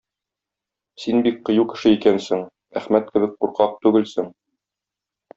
Син бик кыю кеше икәнсең, Әхмәт кебек куркак түгелсең.